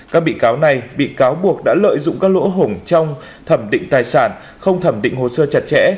các bị cáo này bị cáo buộc đã lợi dụng các lỗ hổng trong thẩm định tài sản không thẩm định hồ sơ chặt chẽ